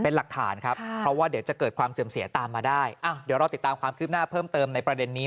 เพราะว่าเดี๋ยวจะเกิดความเสื่อมเสียตามมาได้เดี๋ยวเราติดตามความคลิบหน้าเพิ่มเติมในประเด็นนี้